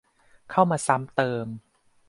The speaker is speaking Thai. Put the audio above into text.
เข้ามาซ้ำเติม